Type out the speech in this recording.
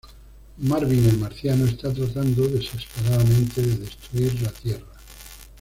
Marvin el marciano está tratando desesperadamente de destruir la Tierra.